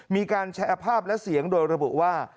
มีการแชร์ภาพและเสียงโดยระบุว่า